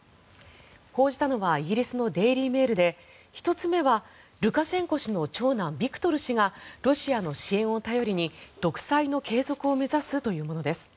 報じたのはイギリスのデイリー・メールで１つ目はルカシェンコ氏の長男ビクトル氏がロシアの支援を頼りに独裁の継続を目指すというものです。